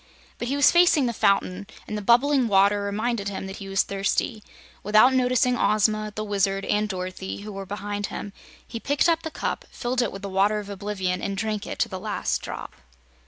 But he was facing the fountain, and the bubbling water reminded him that he was thirsty. Without noticing Ozma, the Wizard and Dorothy, who were behind him, he picked up the cup, filled it with the Water of Oblivion, and drank it to the last drop.